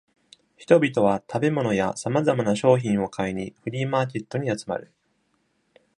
人々は食べ物やさまざまな商品を買いにフリーマーケットに集まる。